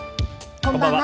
こんばんは。